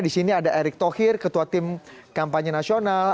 di sini ada erick thohir ketua tim kampanye nasional